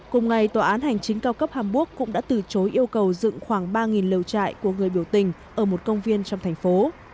cùng ngày tòa án hành chính cao cấp hàn quốc cũng đã từ chối yêu cầu dựng khoảng ba liều trại của người biểu tình ở một công viên trong thành phố